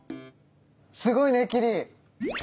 すごいねキリ！